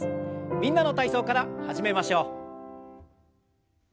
「みんなの体操」から始めましょう。